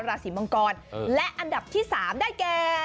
ราศีมังกรและอันดับที่๓ได้แก่